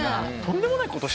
とんでもないこと。